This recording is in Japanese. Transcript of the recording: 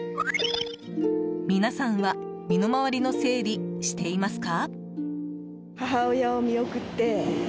皆さんは身の回りの整理していますか？